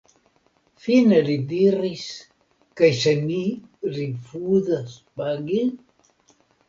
Fine li diris: Kaj se mi rifuzas pagi?